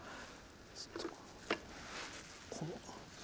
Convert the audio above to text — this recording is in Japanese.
ちょっとこの。